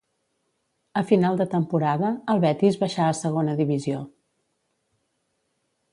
A final de temporada, el Betis baixà a Segona Divisió.